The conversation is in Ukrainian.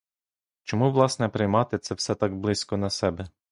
Чому власне приймати це все так близько на себе.